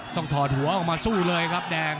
ต้องถอดหัวออกมาสู้เลยครับ